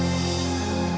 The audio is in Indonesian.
gak ada apa apa